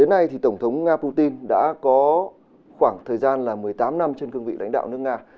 nay thì tổng thống nga putin đã có khoảng thời gian là một mươi tám năm trên cương vị lãnh đạo nước nga